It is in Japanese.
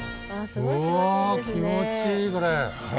うわあ気持ちいいこれ。